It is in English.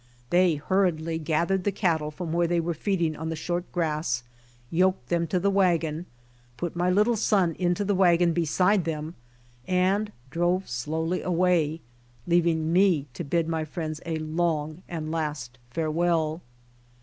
They hurriedly gathered the cattle from where they were feeding on the short grass, yoked them to the wagon, put my little son into the wagon beside them and drove slowly awaj', leaving me to bid my friends a long and last farewell.